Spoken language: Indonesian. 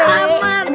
ya bang ube